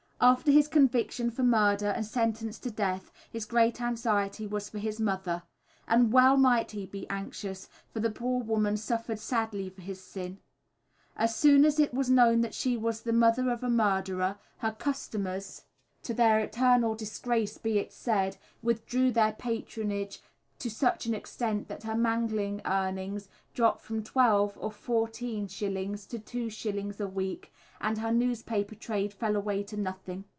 After his conviction for murder and sentence to death, his great anxiety was for his mother. And well might he be anxious, for the poor woman suffered sadly for his sin. As soon as it was known that she was "the mother of a murderer," her customers to their eternal disgrace be it said withdrew their patronage to such an extent that her mangling earnings dropped from 12s. or 14s. to 2s. a week, and her newspaper trade fell away to nothing.